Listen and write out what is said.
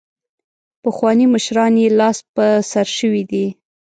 پخواني مشران یې لاس په سر شوي دي.